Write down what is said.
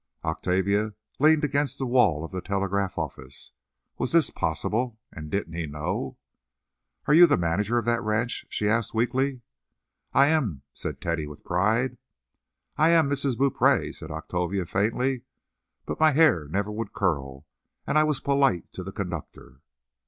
Octavia leaned against the wall of the telegraph office. Was this possible? And didn't he know? "Are you the manager of that ranch?" she asked weakly. "I am," said Teddy, with pride. "I am Mrs. Beaupree," said Octavia faintly; "but my hair never would curl, and I was polite to the conductor."